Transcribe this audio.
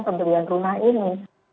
pembelian rumah ini